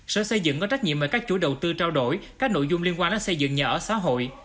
sở xây dựng có trách nhiệm mời các chủ đầu tư trao đổi các nội dung liên quan đến xây dựng nhà ở xã hội